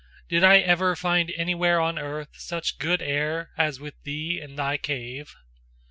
Did I ever find anywhere on earth such good air as with thee in thy cave?